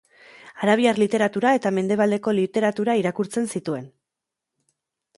Arabiar literatura eta Mendebaldeko literatura irakurtzen zituen.